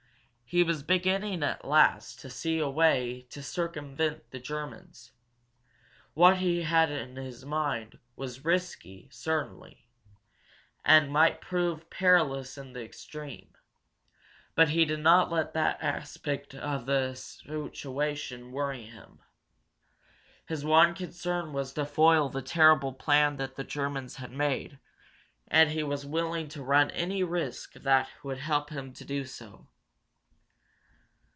He was beginning, at last, to see a way to circumvent the Germans. What he had in mind was risky, certainly, and might prove perilous in the extreme. But he did not let that aspect of the situation worry him. His one concern was to foil the terrible plan that the Germans had made, and he was willing to run any risk that would help him to do so.